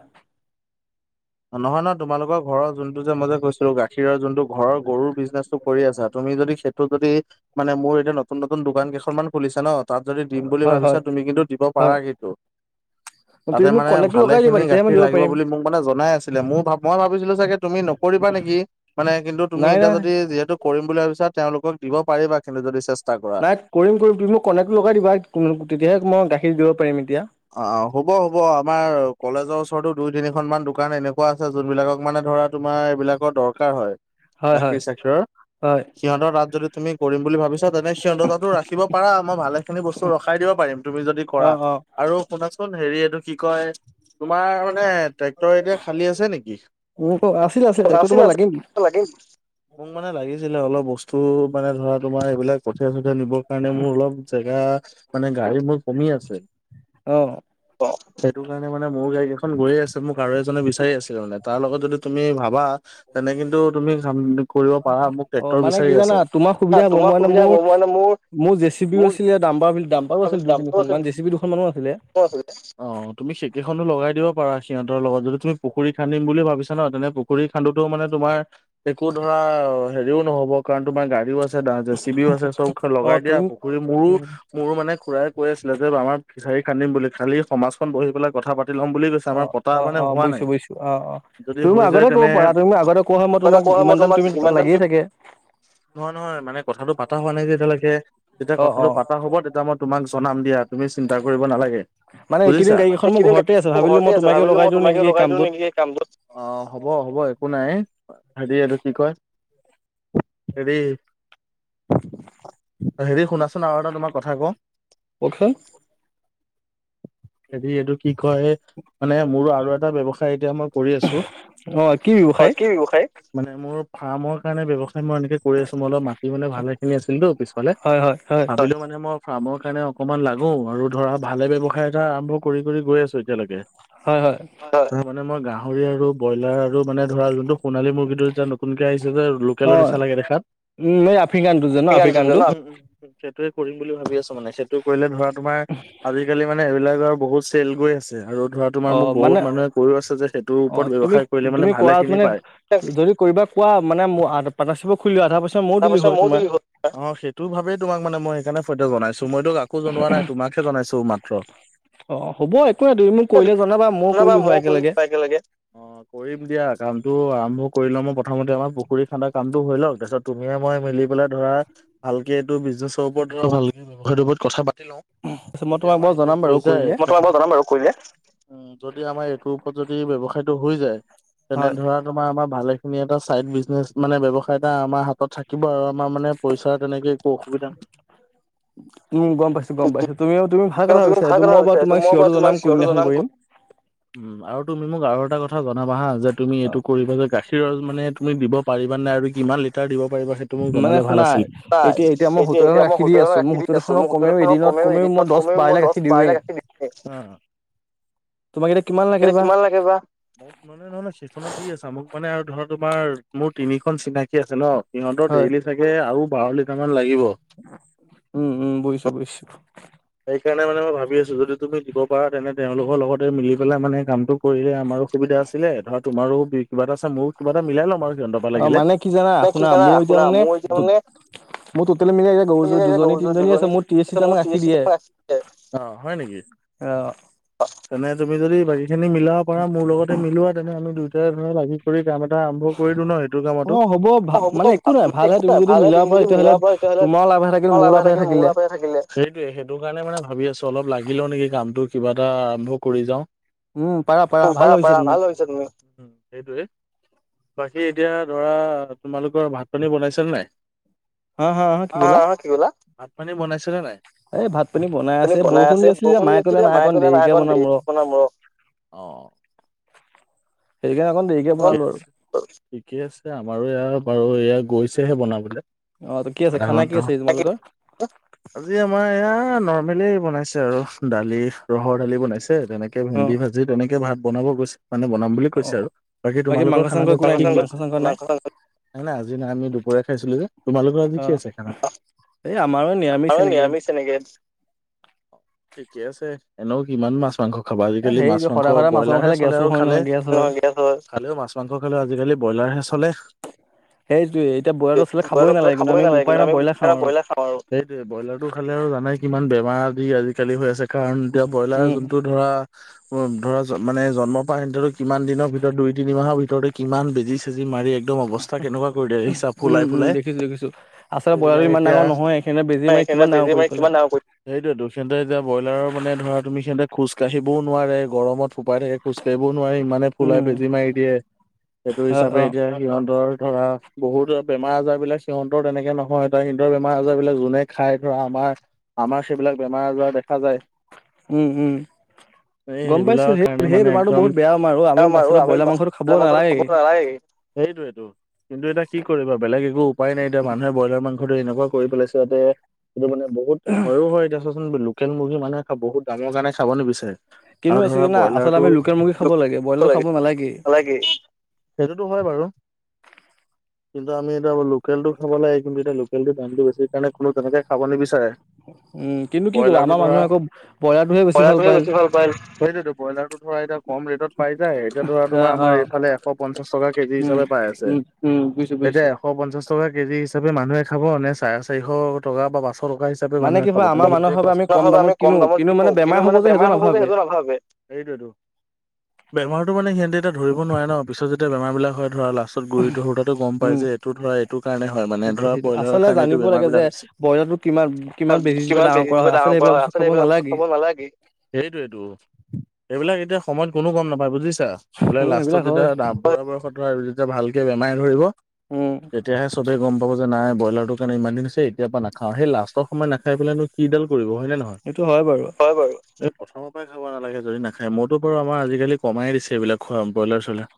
নহয় নহয় তোমালোকৰ ঘৰৰ যোন টো যে মই যে কৈছিলো গাখীৰৰ যোনটো ঘৰৰ গৰুৰ বিজনেচটো কৰি আছা তুমি যদি খেত‌ টো যদি, মানে মোৰ এতিয়া নতুন নতুন দোকান কেইখনমান খুলিছে ন'। তাত যদি দিম বুলি ভাবিছা তুমি কিন্তু দিব পাৰা সেইটো। তাতে মানে ভালে খিনি গাখীৰ লাগিব বুলি মোক মানে জনাই আছ চিলে মোৰ ভাব, মই ভাবিছিলো চাগে তুমি নকৰিবা নেকি, মানে কিন্তু তুমি এতিয়া যদি যিহেতু কৰিম বুলি ভাবিছা তেওঁলোকক দিব পাৰিবা কিন্তু যদি চেচ নাই কৰিম কৰিম তুমি মোক কননেক্সটটো লগাই দিবা, তেতিয়াহে মই গাখীৰ দিব পাৰিম এতিয়া। অ', অ, হ'ব হ'ব, আমাৰ কলেজৰ ওচৰতো দুই তিনিখন মান দোকান এনেকুৱা আছে যোনবিলাকক মানে ধৰা তোমাৰ এইবিলাকৰ দৰকাৰ হয়, গাখীৰ চাখীৰৰ। সিহঁতৰ তাত যদি তুমি কৰিম বুলি ভাবিছা তেনে সিহঁতৰ তাতো ৰাখিব পাৰ মই ভালে খিনি বস্তু ৰখাই দিব পাৰিম তুমি যদি কৰা, আৰু শুনাচোন হেৰি এইটো কি কয় তোমাৰ মানে ট্ৰেক্টৰ এতিয়া খালী আছে নেকি? আছিলে আছে, লাগে নেকি? মোক মানে লাগিছিলে অলপ বস্তু, মানে ধৰা তোমাৰ এইবিলাক কঠিয়া চঠিয়া নিব কাৰণে মোৰ অলপ জেগা, মানে গাড়ী মোৰ কমি আছে। অ', [unintelligible] সেইটো কাৰণে মানে মোৰ গাড়ী এখন গৈয়ে আছে মোক আৰু এজনে বিচাৰি আছিলে মানে তাৰ লগত যদি তুমি, ভাবা তেনে কিন্তু তুমি কামটো কৰিব পাৰা মোক ট্ৰেক্টৰ বিচাৰি আছে, চা তোমাৰ সুবিধা হ'ব মানে মোৰ মোৰ জে চি বিও আছিলে দাম্বাৰ -দাম্বাৰো আছিল দুই তিনিখন মান জে চি বি দুখন মানো আছিলে। [unintelligible] অ', তুমি সেইকেইখনো লগাই দিব পাৰা সিহঁতৰ লগত যদি তুমি পুখুৰী খান্দিম বুলি ভাবিছা ন তেনে পু খুৰী খান্দোতো মানে তোমাৰ, একো ধৰা হেৰিও নহ'ব কাৰণ তোমাৰ গাড়ীও আছে দা জে চি বিও আছে চব লগাই দিয়া পুখুৰী মোৰো মোৰো মানে খুড়াই কৈ আছিলে যে আমাৰ ফিচাৰী খান্দিম বুলি, খালি সমাজখন বহি পেলাই কথা পাতি ল'ম বুলি কৈ আমাৰ পতা মানে হোৱা নাই, যদি হৈ যায় তেনে কিবা এটা কোৱা মই তোমাক যিমান দাম দি নহয় নহয় মানে কথাটো পাতা হোৱা নাই যে এতিয়ালৈকে, যেতিয়া কথাটো পাতা হ'ব তেতিয়া মই তোমাক জনাম দিয়া, তুমি চিন্তা কৰিব নালাগে। বুজিছা, এইকেইদিন মই ঘৰতে আছে ভাবিলো মই তোমাকে লগাই দি নেকি সেই কামটোত। অ', হ'ব-হ'ব, একো নাই হেৰি আৰু কি কয়? হেৰি, হেৰি শুনাচোন আৰু এটা তোমাক কথা কও? কওঁকচোন হেৰি এইটো কি কয়? মানে মোৰো আৰু এটা ব্যৱসায় এতিয়া মই কৰি আছোঁ। হয় কি ব্যৱসায়? মানে মোৰ ফাৰ্মৰ কাৰণে ব্যৱসায় মই এনেকে কৰি আছো। মই অলপ মা মাটি মানে ভালে খিনি আছিল তো পিছফালে, তাতে মানে মই ফাৰ্মৰ কাৰণে অকমান লাগো। আৰু ধৰা ভালে ব্যৱসায় এটা আৰম্ভ কৰি-কৰি গৈ আছো এতিয়ালৈকে। হয়-হয়। হয়। মানে মই গাহৰি আৰু ব্ৰইলাৰ আৰু মানে ধৰা যোনটো সোনালী মুৰ্গীটো যে নতুনকে আহিছে যে, লোকেলৰ নিচিনা লাগে দেখাত। উম' ন আফ্ৰিকান টো, জানো আফ্ৰিকান টো। সেইটোৱে কৰিম বুলি ভাবি আছো মানে, সেইটো কৰিলে ধৰা তোমাৰ মানে এইবিলাক আৰু বহুত চেল গৈ আছে। আৰু ধৰা তোমাৰ, মোক বহুত মানুহে কৰি আছে যে, সেইটোৰ ওপৰত ব্যৱসায় কৰিলে মানে ভালে খিনি পায়। কৰিবা কোৱা, মানে মই আ পাৰ্টনাৰশ্বিপত খুলিলে, আধা পইচা মইয়ো দিলো হয় তোমাক। অ, সেইটো। সেইটো ভাবিই তোমাক মানে মই সেইকাৰণে আগতে জনাইছো, মইতো কাকো জনোৱা নাই। তোমাক তোমাকে জনাইছো মাত্ৰ। সেইটো জানা মই কৰিম একেলগে। অ' অ'কৰিম দিয়া। কামটো আৰম্ভ কৰি লওঁ, মই প্ৰথমতে আমাৰ পুখুৰী খান্দা কামটো হৈ লওক, তাৰপিছত। তুমিয়ে মই মিলি পেলাই ধৰা, ভালকে এইটো বিজনেছৰ ওপৰত ধৰা, ভালকে ব্যৱসায়টোৰ ওপৰত কথা পাতি লওঁ। যদি আমাৰ সেইটো হৈ যায়। মই তোমাক জনায় বাৰু কৰিলে। উম' যদি আমাৰ এইটো ওপৰত যদি ব্যৱসায়টো হৈ যায়। তেনে ধৰা তোমাৰ, আমাৰ ভালে খিনি এটা চাইড বিজনেছ মানে ব্যৱসায় এটা আমাৰ হাতত থাকিব। আৰু আমাৰ মানে পইচাৰ তেনেকে একো অসুবিধা নাই। উম' গম পাইছো, গম পাইছো। তুমি আৰু তুমি ভাল কথা ভাবিছা, এইটো মই বাৰু তোমাক চিয়ৰটো জনাম, কোনদিনাখন কৰিম। উম' আৰু তুমি মোক আৰু এটা কথা জনাবা হা, যে তুমি এইটো কৰিবা যে গাখীৰৰ মানে তুমি দিব পাৰিবা নাই আৰু কিমান লিটাৰ দিব পাৰিবা, সেইটো মোক জনালে ভাল আছিল। এতিয়া-এতিয়া মই হোটেলৰ একট্ৰিভিটিত আছো। মোৰ হোটেলৰ মই কমেওঁ, এদিনত কমেওঁ মই দহ বাৰ লাখ একট্ৰিভিটিত দিয়ে। তোমাক এতিয়া কিমান লাগে বা? লাগে বা মোক মানে নহয়-নহয় সেইখনত দি আছা, মোক মানে আৰু ধৰা, তোমাৰ মোৰ তিনিখন চিনাকি চিনাকি আছে ন, সিহঁতৰ ডেইলি চাগে আৰু বাৰ লিটাৰ মান লাগিব। উম-উম, বুজিছো-বুজিছো'। সেইকাৰণে মানে মই ভাবি আছো, যদি তুমি দিব পাৰা, তেনে তেওঁলোকৰ লগতে মিলি পেলাই মানে কামটোক কৰিলে আমাৰো সুবিধা আছিলে, ধৰা তোমাৰো কিবা এটা চাম, মোৰো কিবা এটা মিলাই ল'ম আৰু সিহঁতৰ অ' মানে কি জানা, শুনা মোৰ এতিয়া মানে ত মোৰ টোটেল মিলাই এইয়া গৰু দুজনী, তিনিজন আছে। মোৰ ত্ৰিশ লিটাৰ মান গাখীৰ দিয়ে। অ' হয় নেকি? অ' তেনে তুমি যদি বাকী খিনি মিলাব পাৰা মোৰ লগত তেনে মিলোৱা, তেনেহলে আমি দুয়োটা ধৰণে লাগি কৰি কাম এ আৰম্ভ কৰি দিওঁ ন সেইটো কামতো, এ হ'ব। এইফালে ভালে তুমি যদি মিলাব পাই তেতিয়াহ'লে তোমাৰ লাভ হৈ থাকিলে, মোৰ লাভ হৈ থাকিলে। সেইটোৱে, সেইটো কাৰণে মানে ভাবি আছো, অলপ লাগিল লও নেকি কামটো, কিবা এটা আৰম্ভ কৰি যাওঁ। উম, কৰা-কৰা, ভাল ভাবিছা তুমি। সেইটোৱে, বাকী এতিয়া ধৰা, তোমালোকৰ ভাত পানী বনাইছে নাই? অ-অ, কি ক'লা? ভাত পানী বনাইছে নাই? এনে বনাই আছে, বৰষুণ দি আছিল যে, মায়ে ক'লে ভাত অকণ দেৰিকে বনাম ৰ। অ, অ। সেইকাৰণে অকণ অ ঠিকে আছে, আমাৰো এয়া বাৰু এয়া গৈছেহে বনাবলে। অ' ত কি আছে খানা কি আছে তোমালোকৰ? [unintelligible] আজি আমাৰ এইয়া নৰ্মেলেই বনাইছে আৰু দালি, ৰহৰ দালি বনাইছে। তেনেকে তেনেকে ভেন্দি ভাজি তেনেকে ভাত বনাব গৈছে, মানে বনাম বুলি কৈছে আৰু। বাকী তোমালোকৰ খানা [unintelligible] নাই নাই আজি নাই আমি দুপৰীয়া খাইছিলো যে। তোমালোকৰ আজি কি আছে খানাত? আমাৰো নিৰামিছ এনেকে। তেনেকে ঠিকে আছে। এনেও কিমান মাছ, মাংস খাবা আজি-কালি মাছ, মাংস ব্ৰইলাৰ হে চলে আৰু খালে। [unintelligible] খালেও মাছ-মাংস খালেও আজি-কালি ব্ৰইলাৰহে চলে। এইবোৰটো খাবই নালাগে কিন্তু আমি ব্ৰইলাৰ খাওঁ আৰু। সেইটোৱেই। ব্ৰইলাৰটো খালে আৰু জানাই কিমান বেমাৰ আদি আজি-কালি হৈ আছে। কাৰণ এতিয়া ব্ৰইলাৰ যোনটো ধৰা ধৰা মানে জন্ম পৰা সিহঁতৰ কিমান দিনৰ ভিতৰত দুই, তিনি মাহৰ ভিতৰতে কিমান বেজি বেজী মাৰি একদম অৱস্থা কেনেকুৱা কৰি দিয়ে দেখিছা ফুলাই-ফুলাই। সেইবিলাক এতিয়া হয়। সেইকাৰণে বেজি মাৰি কিমান ডাঙৰ কৰি সেইটোৱেটো। সিহঁতে এতিয়া বইলাৰৰ মানে ধৰা তুমি সিহঁতে খোজ কাঢ়িবও নোৱাৰে গৰমত। ফোপাই থাকে। খোজকাঢ়িবও নোৱাৰে ইমানে ফুলাই বেজি মাৰি দিয়ে। সেইটো হিচাপে এতিয়া সিহঁতৰ ধৰা বহুতৰ বেমাৰ-আজাৰ বিলাক সিহঁতৰ তেনেকে নহয়। ধৰা সিহঁতৰ বেমাৰ-আজাৰ বিলাক যোনে খাই ধৰা আমাৰ আমাৰ সেইবিলাক বেমাৰ-আজাৰ দেখা যায়। এই সেইবিলাকৰ কাৰণে মানে একদম। [unintelligible] আৰু আমি [unintelligible] ব্ৰইলা মাংসটো খাবটো নেলাগেই। সেইটোৱেটো। কিন্তু এতিয়া কি কৰিবা বেলেগ একো উপায় নাই। এতিয়া মানুহে ব্ৰইলাৰ মাংসটো এনেকুৱা কৰি পেলাইছে এতে সেইটো মানে বহুত সৰু হৈও হয়। এতিয়া চোৱাচোন লোকেল মুৰ্গী মানুহে বহুত ডাঙৰ কাৰণে খাব নিবিচাৰে। [unintelligible] আছে না। আচল আমি লোকেল মুৰ্গী খাব লাগে, ব্ৰইলাৰ খাব নালাগেই। নেলাগেই। সেইটোতো হয় বাৰু। [inaudible] কিন্তু আমি এতিয়া লোকেলটো খাব লাগে। কিন্তু এতিয়া লোকেলটো দামটো বেছি কাৰণে কোনো তেনেকে খাব নিবিচাৰে। উম, কিন্তু কি ক'বা আমাৰ মানুহে আকৌ ব্ৰইলাৰটোহে বেছি ভাল পায়। [unintelligible] পায় সেইটোৱেটো। ব্ৰইলাৰ টো ধৰা এতিয়া কম ৰেটত পাই যায়। এতিয়া ধৰা তোমাৰ আমাৰ এইফালে এশ পঞ্চাছ টকা কেজি হিচাপে পাই আছে। এতিয়া এ এশ পঞ্চাছ টকা কেজি হিচাপে মানুহে খাব নে চাৰে চাৰিশ টকা বা পাঁচশ টকা সেইটো মানুহে খাব। তুমি নিজেই কোৱা চোন। [unintelligible] ক'ম দামত কিনো কিন্তু মানে বেমাৰ হ'ব যে সেইটো নাভাবে। সেইটোৱেটো। বেমাৰটো মানে সিহঁতি এতিয়া ধৰিব নোৱাৰে ন। পিছত যেতিয়া বেমাৰ বিলাক হয় ধৰা লাষ্ট গুৰিটো হওঁতেটো গম পাই যে এইটো ধৰা এইটো কাৰণে হয়, মানে ধৰা ব্ৰইলাৰৰ কাৰণে এইটো বেমাৰ বিলাক হৈছে। কিমান বে [unintelligible] দি ডাঙৰ কৰা হয়। আচলতে এইবিলাক বস্ত খাব নালাগেই। সেইটোৱেটো। এইবিলাক এতিয়া সময়ত কোনো গম নাপায় বুজিছা। এইবিলাক লাষ্টত যেতিয়া দাম বুঢ়া বয়সত ধৰা যেতিয়া ভালকে বেমাৰ ধৰিব, তেতিয়াহে চবে গম পাব যে নাই ব্ৰইলাৰটো সেইকাৰণে ইমান দিন হৈছে এতিয়াৰ পৰা নাখাও। সেই লাষ্টৰ সময়ত নাখাই পেলাইনো কিডাল কৰিব হয় নে নহয়? হয় বাৰু। প্ৰথমৰ পৰাই খাব নালাগে যদি নাখায়। মইতো বাৰু আমাৰ আজি-কালি কমাই দিছে এইবিলাক খোৱা ব্ৰইলাৰ-চ্ৰইলাৰ।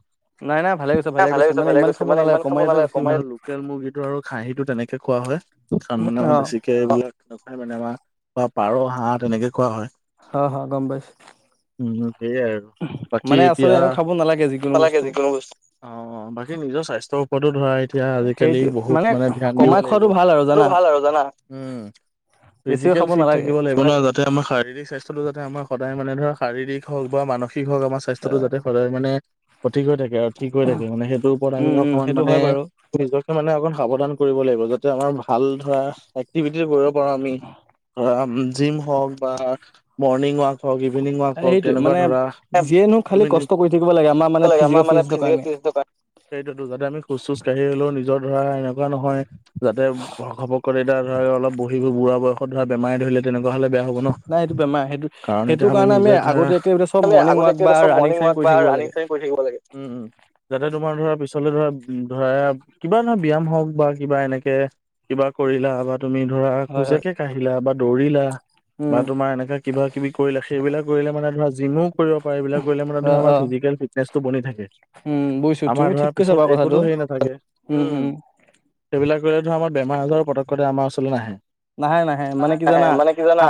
ভালেই কৰিছা, ভালেই কৰিছা। মানে ইমান খাব নালাগে, কমাই লোকেল মুৰ্গীটো আৰু খাহীটো তেনেকে খোৱা হয়। কাৰণ মানে আমাৰ বেছিকে এইবিলাক নাখায় মানে। আমাৰ পাৰ, হাঁহ তেনেকে খোৱা হয়। অ হা গম পাইছো। উম সেইয়াই আৰু। মানে আচলতে খাব নালাগে যিকোনো বস্তু। অ' - অ'। বাকী নিজৰ স্বাস্থ্যৰ ওপৰতো ধৰা এতিয়া আজিকালি বহুত মানে ধ্যান দিব লাগিব। সেইটো ভাল আৰু জানা। উম। ফিজিকেল ফিট থাকিব লা [unintelligible] যাতে আমাৰ শাৰীৰিক স্বাস্থ্যটো যাতে আমাৰ সদায় মানে ধৰা, শাৰীৰিক হওঁক বা মানসিক সঠিক হওঁক, আমাৰ স্বাস্থ্যটো যাতে সদায় মানে সঠিক হৈ থা কে আৰু ঠিক হৈ থাকে, মানে সেইটোৰ ওপৰত আমি অকমান মানে নিজকে মানে অকণ সাৱধান কৰিব লাগিব, যাতে আমাৰ ভাল ধৰা, এক্টিভিটি কৰিব পাৰোঁ আমি। ধৰা উম জিম হওঁক বা মৰ্ণিং ৱাক হওঁক, ইভিনিং ৱাক হওঁক তেনেকুৱা ধৰা। তুমি শিকিব লাগে আমা লাগে আমাৰ মানে ফিজিকেলটো [inaudible] সেইটোৱেটো যাতে আমি খোজ-চোজ কাঢ়ি হলেও নিজৰ ধৰা এ নেকুৱা নহয়, যাতে ঘপককৰে এতিয়া ধৰা, অলপ বহিব বুঢ়া বয়সত ধৰা বেমাৰে ধৰিলে নাই, এইটো বেমাৰ সেইটো- সেইটো কাৰণে আমি আগতীয়াকে বোলে চব মৰ্ণিং ৱাক বা ৰানিং-চানিং কৰি থাকিব লাগে। কৰি থাকিব লাগে। উম - উম। যাতে তোমাৰ ধৰা পিছলে ধৰা- ধৰা এয়া কিবা ন ব্যায়াম হওঁক বা কিবা এনেকে কিবা কৰিলা বা তুমি ধৰা খোজকে কাঢ়িলা বা দৌৰিলা বা তোমাৰ এনেকা কিবা-কিবি কৰিলা। সেইবিলাক কৰিলে মানে ধৰা জিমো কৰিব পাৰি। এইবিলাক কৰিলে মানে ধৰা আমাৰ ফিজিকেল ফি টনেছ টো বনি থাকে। আমাৰ ধৰা পিছত একোতো হেৰি নাথাকে। উম। সেইবিলাক কৰিলে ধৰা আমাৰ বেমাৰ-আজাৰো পতক্কতে আমাৰ ওচৰলৈ নাহে। নাহে - নাহে। মানে কি জানা?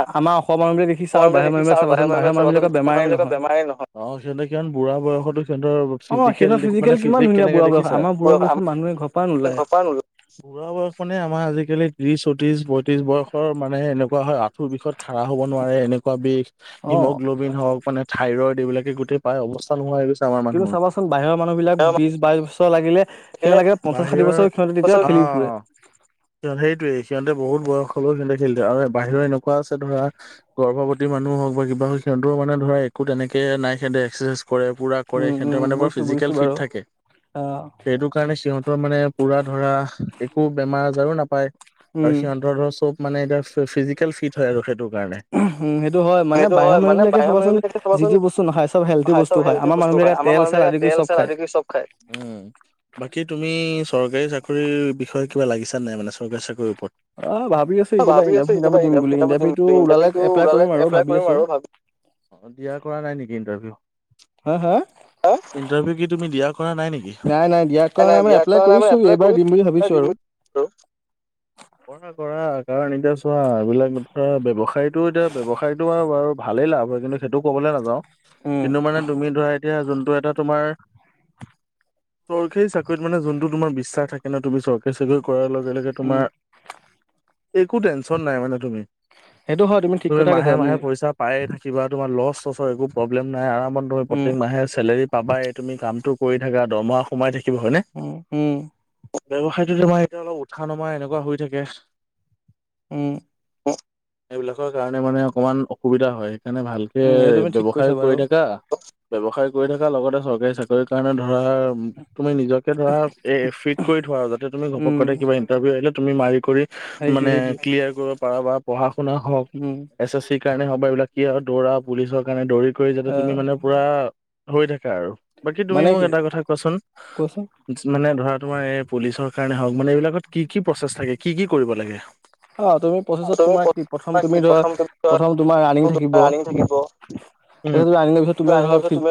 [unintelligible] দেখিছা আৰু বাহিৰৰ মানুহবিলাক চাবাচোন, [unintelligible] মানুহবিলাকক বেমাৰে নহয়। অ' সিহঁতে কিমান বুঢ়া বয়সত সিহঁতৰ ফিজিকেল দে- মানে ফিজিক কেনেকা দেখিছা? বুঢ়া বয়স মানে আমাৰ আজিকালি ত্ৰিশ-চৌত্ৰিশ পয়ত্ৰিশ বয়সৰ মানে এনেকুৱা হয়, আঠুৰ বিষত খাৰা হ'ব নোৱাৰে এনেকুৱা বিষ, হিমগ্ল' বিন হওঁক মানে থাইৰইড, এইবিলাকে গোটেই পাই অৱস্থা নোহোৱা হৈ গৈছে। কিন্তু চাবাচোন, বাহিৰৰ মানুহবিলাক বিশ-বাইশ বছৰ লাগিলে সেয়া লাগিলে পঞ্চাছ-ষাঠি বছৰ, সিহঁতে তেতিয়াও খেলি ফুৰে। সেইটোৱে। সিহঁতে বহুত বয়সলৈও সিহঁতে খেলি থাকে। আৰু বাহিৰৰ এনেকুৱা আছে ধৰা গৰ্ভৱতী মানুহ হওঁক বা কিবা হৈছে, সিহঁতেও মানে ধৰা একো তেনেকে নাই। সিহঁতে এক্সাৰছাইজ কৰে, পুৰা কৰে। সিহঁতে মানে বৰ ফিজিকেল ফিট থাকে। সেইটো কাৰণে সিহঁতৰ মানে পুৰা ধৰা একো বেমাৰ-আজাৰো নাপায় আৰু সিহঁতৰো চব মানে এতিয়াৰ ফ- ফিজিকেল ফিট হয় আৰু, সেইটো কাৰণে। সেইটো হয়, মানে বাহিৰৰ মানুহবিলাক চাবাচোন। হয়, চব হেল্দি বস্তু খায়। আমাৰ মানুহবিলাকে তেল-ছেল আদি কৰি চব খায়। উম, বাকি তুমি চৰকাৰী চাকৰিৰ বিষয়ে কিবা লাগিছা ন নাই, মানে চৰকাৰী চাকৰিৰ ওপৰত। ভাবি আছোঁ এতিয়া। ইন্টাৰভিউ- ছিন্টাৰভিউ দিম বুলি। ইন্টাৰভিউটো ওলালে এপ্লাই কৰিম আৰু ভাবি‌ অ' দিয়া কৰা নাই নেকি ইণ্টাৰভিউ? হা - হা? নাই - নাই, দিয়াৰ কৰা নাই মানে এপ্লাই কৰিছোঁ। এইবাৰ দিম বুলি ভাবিছোঁ আৰু। কৰা - কৰা, কাৰণ এতিয়া চোৱা এইবিলাক ধৰা ব্যৱসা সায়টো এতিয়া ব্যৱসায়টো আৰু বাৰু ভালেই লাভ হয় কিন্তু, সেইটো কবলে নায়াও। কিন্তু মানে তুমি ধৰা এতিয়া যোনটো এটা তোমাৰ, চৰকাৰী চাকৰিত মানে যোনটো তোমাৰ বিশ্বাস থাকে ন', তুমি চৰকাৰী চাকৰি কৰাৰ লগে - লগে তোমাৰ একো টেনশ্যন নাই মানে তুমি। তুমি মাহে - মাহে পইছা পায়ে থাকিবা, তোমাৰ লছ - ছছৰ একো প্ৰব্লেম নাই, আৰামত তুমি প্ৰত্যেক মাহে ছেলেৰি পাবাই, তুমি কামটো কৰি থাকা, দৰমহা সোমাই থাকিব, হয়নে? উম - উম। ব্যৱসায়টো তোমাৰ এতিয়া অলপ উঠা- নমা এনেকুৱা হৈ থাকে। উম। অ এইবিলাকৰ কাৰণে মানে অকমান অসুবিধা হয় সেইকাৰণে ভাল সে ব্যৱসায়ো কৰি থাকা। ব্যৱসায় কৰি থকা লগতে চৰকাৰী চাকৰিৰ কাৰণে ধৰা তুমি নিজকে ধৰা এ ফিট কৰি থোৱা যাতে তুমি ঘপক ইন্টাৰভিউ আহিলে তুমি মাৰি কোৰি মানে কিলিয়াৰ কৰিব পাৰা বা পঢ়া-শুনা হওক উম। এছ এছ চিৰ কাৰণে হওক বা এইবিলাক কি আৰু দৌৰা পুলিচৰ কাৰণে দৌৰি কৰি যাতে তুমি মানে পুৰা হৈ থাকা আৰু বাকী তুমি মোক এটা কথা কোৱাচোন? যি মানে ধৰা তোমাৰ এই পুলিচৰ কাৰণে হওক মানে এইবিলাকত কি কি প্ৰচেছ থাকে? কি কি কৰিব লাগে? তুমি প্ৰথম [inaudible] আনি থাকিব উম, আন পি [inaudible] ছত তুমি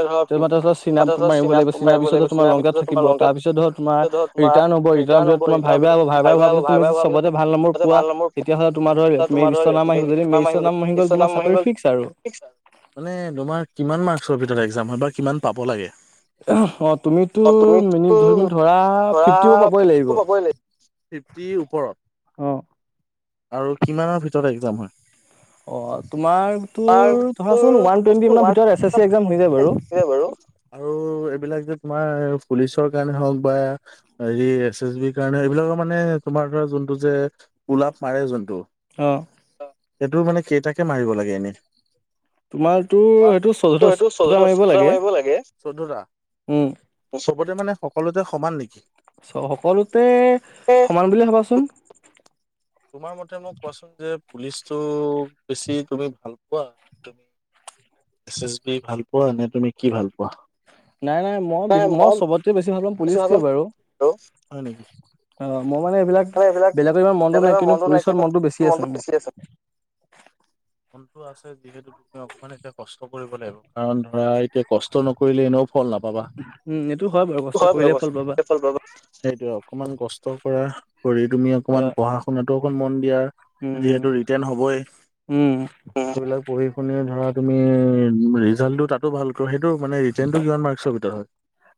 ধৰ চী মাৰিব লাগিব চীাৰ তোমাৰ লংক- ধৰ তোমাৰ ৰিটাৰ্ণ হব, ৰিটাৰ্ন পিছত তোৰ ভাইবা হব, ভাইবা হোৱাৰ পিছত ভাল নম্বৰ, তোমাৰ ধৰ তুম [inaudible] নাম আহিৰ নাম আহি গল ফিক্স নাই মানে তোমাৰ কিমান মাৰ্কচৰ ভিতৰত একজাম হয় বা কিমান পাব লাগে? অহ তুমিতো মিনি ধৰা ম ধৰা ফিফটিবোৰ পাবই লাগিব। ফিফটিৰ ওপৰত? অ। আৰু কিমানৰ ভিতৰত একজাম হয়? অ তোমাৰ, তোৰ ধৰাচোন ওৱান টুৱেন্টি মানৰ ভিতৰত এছ এছি একজাম হৈ যায় বাৰু। তে বাৰু। আৰু এইবিলাক যে তোমাৰ পুলিচৰ কাৰণে হওক বা হেৰি এছ এছ বি কাৰণে এইবিলাকৰ মানে তোমাৰ ধৰা যোনটো যে ওলাপ মাৰে যোনটো অ। সেইটো মানে কেইটাকে মাৰিব লাগে এনেই? [inaudible] তোমাৰতো সেইটো চৌধটা -চৌধটা মাৰিব লাগে, উম। চবতে মানে সকলোতে সমান নেকি? চ সকলোতে সমান বুলিয়ে ভবাচোন। তোমাৰ মতে মোক কোৱাচোন যে পুলিচটো বেছি তুমি ভাল পোৱা তুমি? এছ এছ বি ভাল পোৱা নে তুমি কি ভাল পোৱা? নাই নাই, মই মই চবতে বেছি ভাল পাম পুলিচটোৱে বাৰু। অ মই মানে এইবিলাক বেলেগৰ ইমান মনটো নাই কিন্তু পুলিচৰ মনটো বেছি আছে মোৰ। কোনটো আছে? যিহেতু তুমি অকমান এতিয়া কষ্ট কৰিব লাগিব কাৰণ ধৰা এতিয়া কষ্ট নকৰিলে এনেও ফল নাপাবা। উ [inaudible] উম এইটো হয় বাৰু। হয় বাৰু বছ সেই ফল পাবা। সেইটোয়ে অকমান কষ্ট কৰা, কৰি তুমি অকমান পঢ়া- শুনাতো অকণ মন দিয়াৰ যিহেতু ৰিটেন হবই। উম। তো বিলাক পঢ়ি শুনি ধৰা তুমি ৰিজাল্টটো তাতো ভাল ত সেইটো মানে ৰিজেনটো কিমান মাৰ্ক্সৰ ভিতৰত হয়?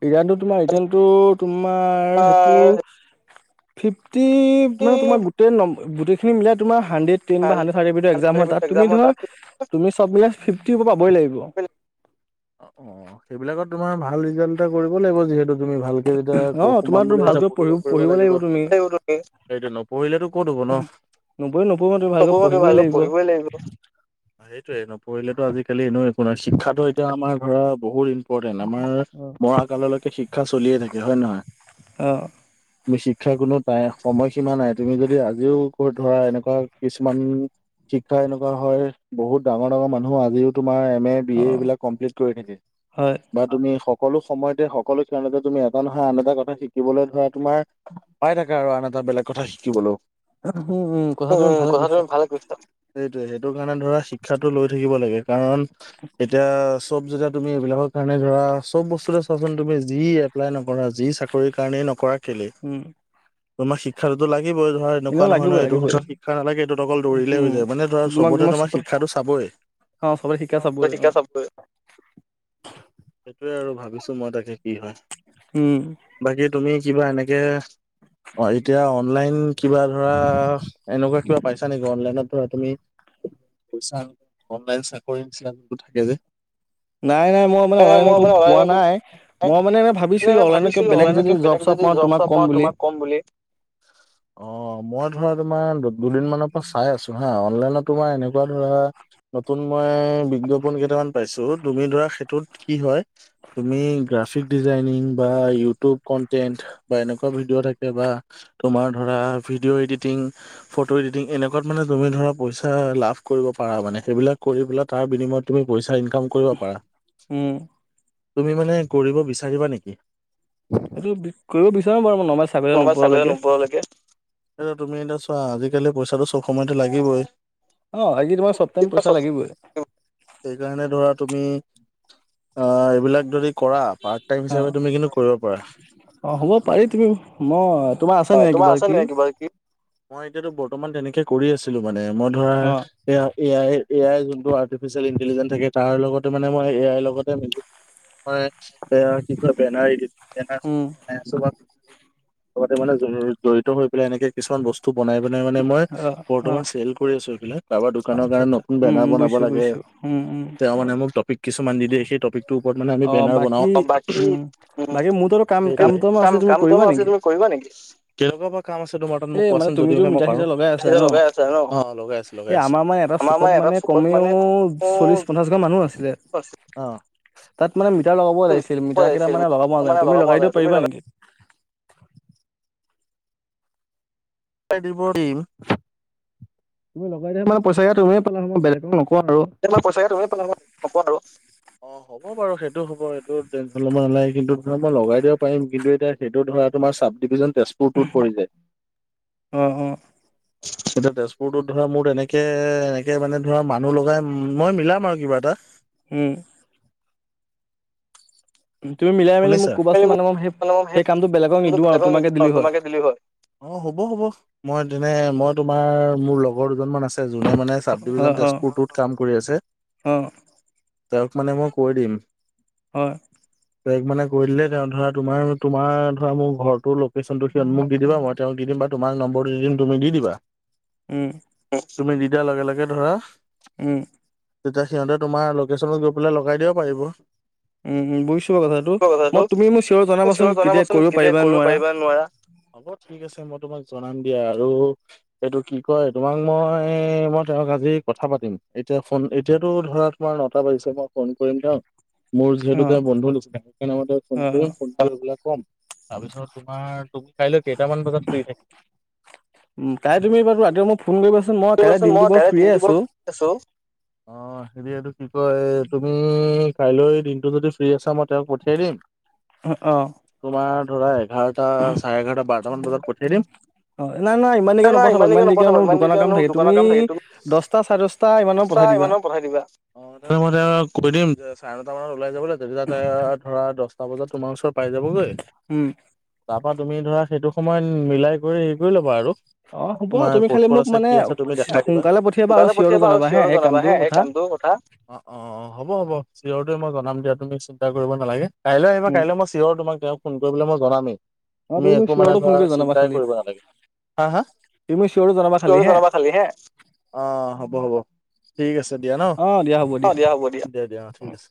ইৰানটো তোমাৰ ৰিটেনটো তোমাৰ সেইটো ফিফটি কিমান তোমাৰ গোটেই নম গোটেইখিন মিলাই তোমাৰ হানড্ৰেড টেন বা হানড্ৰেড থাৰটি একজাম হয় তাত তুমি ধৰ তুমি চববিলাক ফিফটিৰ পাবই লাগিব। হয় [inaudible] অ সেইবিলাকত তোমাৰ ভাল ৰিজাল্ট এটা কৰিব লাগিব যিহেতু। তুমি ভালকে যেতিয়া সোমাম বুলিছা পঢ়িব কৰিব লাগিব। [inaudible] সেইটো নপঢ়িলেতো ক'ত হ'ব ন? [unintelligible] পঢ়িবই লাগিব সেইটোয়ে নপঢ়লেতো আজিকালি এনেও একো নাই, শিক্ষাতো এতিয়া আমাৰ ধৰা, বহুত ইম্পৰ্টেণ্ট আমাৰ মৰা কাললৈকে শিক্ষা চলিয়ে থাকে হয় নহয়? মি শিক্ষাৰ কোনো তাই সময় সীমা নাই, তুমি যদি আজিও ক ধৰা এনেকুৱা কিছুমান- শিক্ষা এনেকুৱা হয়, বহুত ডাঙৰ -ডাঙৰ মানুহ আজিও তোমাৰ এম এ- বি এ এইবিলাক কমপ্লিট কৰি থাকে। বা তুমি সকলো সময়তে, সকলো ক্ষণতে তুমি এটা নহয় আন এটা কথা শিকিবলৈ ধৰা তোমাৰ পাই থাকা আৰু আন এটা বেলেগ কথা শিকিবলো, উম কথা তুমি ভালে কৈছা। সেইটোৱে, সেইটো কাৰণে ধৰা শিক্ষাটো লৈ থাকিব লাগে কাৰণ এতিয়া চব যেতিয়া তুমি এইবিলাকৰ কাৰণে ধৰা চব বস্তু চোৱাচোন তুমি যি এপ্লাই নকৰা যি চাক- কৰি কাৰণেই নকৰা কেলে। উম। তমা শি- শিক্ষাটোতো লাগিবই। ধৰা এনেকুৱা নহয় ন' এইটোত শিক্ষা নালাগে এইটোত অকল দৌৰিলে হৈ যায় মানে ধৰা চবতে তোমাৰ শি- শিক্ষাটো চাবই। অঁ শিক্ষাটো চাব‌ই। সেইটোৱে আৰু ভাবিছো মই তাকে কি হয়। উম। বাকী তুমি কিবা এনেকে- অ' এতিয়া অনলাইন কিবা ধৰা এনেকুৱা কিবা পাইছা নেকি? অনলাইনত ধৰা তুমি- পইচা অনলাইন চাকৰি নিচিনা যোনটো থাকে যে? নাই নাই মই- মানে অনলাইন একো পোৱা নাই। মই মানে এনে ভাবিছিলো অনলাইনকে বেলেগ যদি জব-চব পাওঁ তোমাক ক'ম বুলি। কম বুলি। অ‍ঁ মই ধৰা তোমাৰ দুদিন মানৰ পাছ- চাই আছো হা অনলাইনত তোমাৰ এনেকুৱা ধৰা নতুন মই বিজ্ঞাপন কেইটামান- পাইছো। তুমি ধৰা সেইটোত কি হয়। তুমি গ্ৰাফিক ডিজাইনিং বা ইউটিউব কনটেণ্ট- বা এনেকুৱা ভিডিঅ' থাকে বা তোমাৰ ধৰা ভিডিঅ' এডিটিং- ফটো এডিটিং, এনেকুৱাত মানে তুমি ধৰা পইচা লাভ কৰিব পাৰা মানে সেইবিলাক কৰি পেলাই তাৰ বিনিময়ত- তুমি পইচা ইনকাম কৰিব পাৰা। তুমি মানে কৰিব বিচাৰিবা নেকি? সেইটো বি, কৰিব বিচাৰোঁ বাৰু মই নৰ্মেল চাকৰি এটা নোপোৱালৈকে। লৈকে। এই তুমি এতিয়া চোৱা আজিকালি পইচাটো চব সময়তে লাগিবই। অঁ আজি তোমাৰ চব টাইম পইচা লাগিবই। সেইকাৰণে ধৰা তুমি আ এইবিলাক যদি- কৰা পাৰ্ট টাইম হিচাপে তুমি কিন্তু কৰিব পাৰা। অ হ'ব পাৰি তুমি, মই তোমাৰ আছা নে কিবা কি? মই এতিয়াতো বৰ্তমান তেনেকে কৰি আছিলো মানে মই ধৰা- এ আ, এ আই, এ আই যোনটো আৰ্টিফিচিয়েল ইণ্টেলিজেন্ঞ্চ থাকে। তাৰ লগতে মানে মই এ আইৰ লগতে মিলি, মই এইয়া কি কয় বেনাৰ এডি- বেনাৰ বনাই আছো বা লগতে মানে জড়িত হৈ পেলাই এনেকে- কিছুমান বস্তু বনাই বনাই মানে মই- বৰ্তমান চেল কৰি আছো এইবিলাক। কাৰোবাৰ দোকানৰ কাৰণে নতুন বেনাৰ বনাব লাগে। উম উম। তেওঁ মানে মোক টপিক কিছুমান দি দিয়ে সেই টপিকটোৰ ওপৰত মানে আমি বেনাৰ বনাও। অ বাকি- উম, সেইটোৱে কাম-কাম কৰিব আছে তুমি কৰিবা নেকি? কেনেকুৱা বা কাম আছে তোমাৰ তাত মোক কোৱাচোন যদিওহে মই পাৰো। লগাই আছা ন? অ অ লগাই আছো লগাই আছো। আমাৰ মই এটা- চোকত মানে - পঞ্চাছ ঘৰ মানুহ আছিলে। অ তাত মানে মিটাৰ লগাব‌ও লাগিছিল মিটাৰ কেইটা মানে লগাব নাযানে তুমি লগাই দিব পাৰিবা নেকি। [unintelligible] তুমি লগাই দিয়া মানে পইচাকেইটা তুমিয়ে পালা বেলেগক নকও আৰু। পইচাকেইটা তুমিয়ে পালা ন? [unintelligible] নকও আৰু। অ হ'ব। হ'ব বাৰু সেইটো হ'ব। সেইটো টেনচন লব নালাগে। কিন্তু ধৰা মই লগাই দিব পাৰিম। কিন্তু এতিয়া সেইটোত ধৰা তোমাৰ চাব ডিভিজন তেজপুৰটোত পৰি যায়। অ, অ। এতিয়া তেজপুৰটোত ধৰা মোৰ তেনেকে এনেকে মানে ধৰা মানুহ লগাই, মই মিলাম আৰু কিবা এটা। হুম। উ তুমি মিলা শুনিছা? [unintelligible] তোমাকে দিলো হয়। অ হ'ব, হ'ব। মই তেনে মই তোমাৰ মোৰ লগৰ দুজন মান আছে, যোনে মানে চাব ডিভিজন তেজপুৰটোত কাম কৰি আছে। তেওঁক মানে মই কৈ দিম। হয়। তেওঁক মানে কৈ দিলে তেওঁ ধৰা তোমাৰ তোমাৰ ধৰা মোৰ ঘৰটোৰ লোকেচনতটো সি মোক দি দিবা মই তেওঁক দিম বা তোমাক নম্বৰটো দিম তুমি দি দিবা। উ। উ, তুমি দি দিয়া লগে লগে ধৰা উ। তেতিয়া সিহঁতে তোমাৰ লোকেচনত গৈ পেলাই লগাই দিব পাৰিব। উম, উম বুইছো বাৰু কথাটো। মই তুমি মোক চিঞৰ জনাবাচোন কেতিয়া কৰিব পাৰিবা নে নোৱাৰা। নোৱাৰা। হ'ব ঠিক আছে। মই তোমাক জনাম দিয়া আৰু এইটো কি কয় তোমাক মই মই তেওঁক আজি কথা পাতিম। এতিয়া ফোন এতিয়াতো ধৰা পুৰা নটা বাজিছে ন, ফোন কৰিম তেওঁক। মোৰ যিহেতু তেওঁ বন্ধু নিচিনা। সেই কাৰণে তেওঁক ফোন কৰিম, ফোন এটা কৰি পেলাই কম। তাৰপিছত তোমাৰ তুমি কাইলৈ কেইটামান বজাত ফ্ৰী থা উম, কাইলৈ তুমি বাৰু ৰাতি মোক ফোন কৰিবাচোন। মই কাইলৈ দিনটো বাৰু ফ্ৰিয়ে আছো। আছো, অ হেৰি এইটো কি কয় তুমি কাইলৈ দিনটো যদি ফ্ৰী আছা মই তেওঁক পঠিয়াই দিম। তোমাৰ ধৰা এঘাৰটা, চাৰে এঘাৰটা, বাৰটামান বজাত পঠিয়াই দিম। অ নাই, নাই। ইমান দেৰিকে নপথাবা। ইমান দেৰিকে মানে মোক দোকানৰ কাম থাকে। তুমি দছটা, চাৰে দছ টা ইমান মানত পঠাই দিবা। অ তে মই তেওঁক কৈ দিম যে চাৰে নটা মানত ওলাই যাবলে। তেতিয়া তেওঁ ধৰা দছটা বজাত তোমাৰ ওচৰ পাই যাবগৈ। তাৰপা তুমি ধৰা সেইটো সময়ত মিলাই কৰি হেৰি কৰি ল'বা আৰু। তোমাৰ ক'ত ক'ত আছে, কি আছে তুমি দেখাই দিবা। সোনকালে পঠিয়াবা আৰু চিঞৰ হৈ জনাবা হা সেই কামটো কথা। অ, অ হ'ব, হ'ব চিৱৰটোৱে মই জনাম দিয়া। তুমি চিন্তা কৰিব নালাগে। কাইলৈ আহিবা, কাইলৈ মই চীয়ৰ তোমাক তেওঁক ফোন কৰিবলৈ মই জনামেই। তুমি একো মানে ধৰা চিন্তাই কৰিব নালাগে। হা হা? চিয়ৰ হৈ জনাবা কালি হে। অ হ'ব, হ'ব। ঠিক আছে দিয়া ন? দিয়া হ'ব দিয়া, দিয়া দিয়া অ ঠিক আছে।